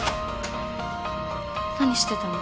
何してたの？